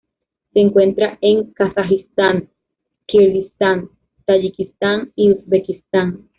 Se encuentran en Kazajistán, Kirguistán, Tayikistán y Uzbekistán.